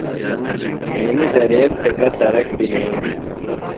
اینیۡ دریم تھےۡ گہ سرک بیۡ نئینی۔